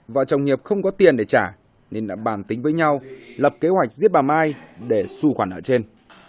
vợ chồng hiệp không có tiền để trả nên đã bàn tính với nhau lập kế hoạch giết bà mai để su khoản nợ trên